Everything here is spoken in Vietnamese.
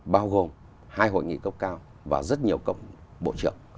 bao gồm hai hội nghị cấp cao và rất nhiều cộng bộ trưởng